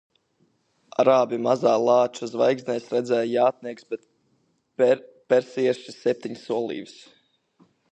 Arābi Mazā Lāča zvaigznēs redzēja jātniekus, bet persieši – septiņas olīves.